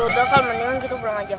yaudah kali mendingan kita pulang aja